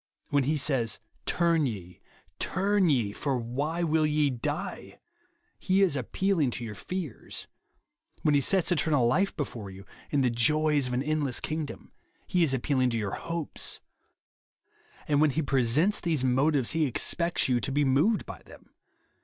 When he says, " Turn ye, turn ye, for why will ye die f * he is appeahng to your fears. When he sets eternal life before you, and the joys of an endless kingdom, he is appealing to your Itopes. And when he presents these motives, he expects you to be moved by them.